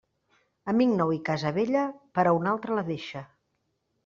Amic nou i casa vella, per a un altre la deixa.